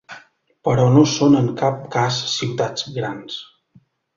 Però no són en cap cas ciutats grans.